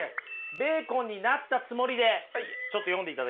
ベーコンになったつもりでちょっと読んでいただけますか。